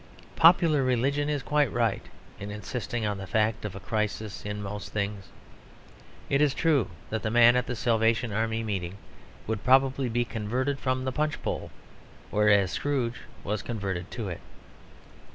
Popular religion is quite right in insisting on the fact of a crisis in most things. It is true that the man at the Salvation Army meeting would probably be converted from the punch bowl; whereas Scrooge was converted to it.